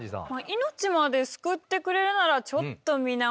命まで救ってくれるならちょっと出た。